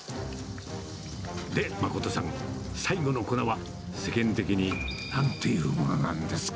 で、誠さん、最後の粉は、世間的になんていうものなんですか？